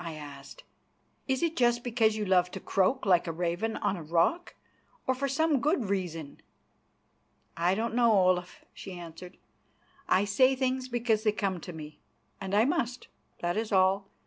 I asked. "Is it just because you love to croak like a raven on a rock, or for some good reason?" "I don't know, Olaf," she answered. "I say things because they come to me, and I must, that is all.